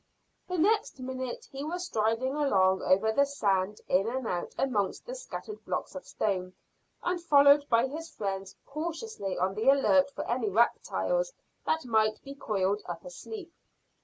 The next minute he was striding along over the sand in and out amongst the scattered blocks of stone, and followed by his friends, cautiously on the alert for any reptiles that might be coiled up asleep.